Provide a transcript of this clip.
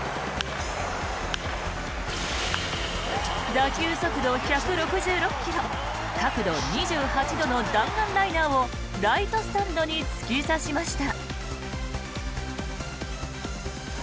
打球速度１６６ｋｍ角度２８度の弾丸ライナーをライトスタンドに突き刺しました。